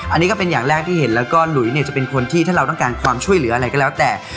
อันนี้ก็เป็นอย่างแรกที่เห็นแล้วก็หลุยเนี่ยจะเป็นคนที่ถ้าเราต้องการความช่วยเหลืออะไรก็แล้วแต่